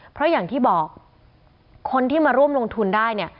เพราะอย่างที่บอกคนที่มาร่วมลงทุนได้เนี่ย